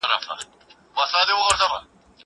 زه مخکي بوټونه پاک کړي وو!!